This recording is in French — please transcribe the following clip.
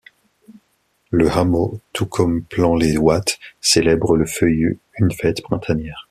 Le hameau, tout comme Plan-les-Ouates, célèbre le Feuillu, une fête printanière.